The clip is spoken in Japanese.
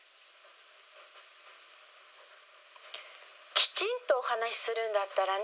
きちんとお話しするんだったらね